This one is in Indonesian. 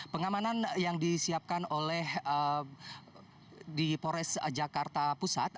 pengamanan yang disiapkan oleh di pores jakarta pusat